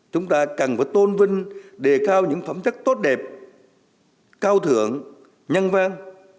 chúng ta cần phải tôn vinh đề cao những phẩm chất tốt đẹp cao thượng nhân vang